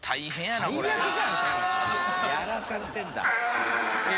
やらされてるんだ。